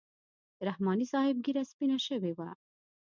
د رحماني صاحب ږیره سپینه شوې وه.